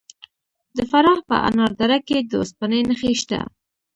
د فراه په انار دره کې د وسپنې نښې شته.